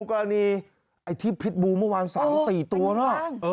กรณีไอ้ที่พิษบูมเมื่อวาน๓ตีตัวนะ